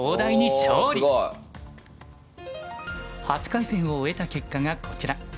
おすごい！８回戦を終えた結果がこちら。